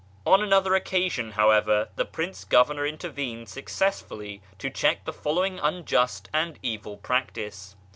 On another occasion, however, the Prince Governor inter vened successfully to check the following unjust and evil practice.